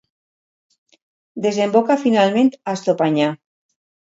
Desemboca finalment a Estopanyà.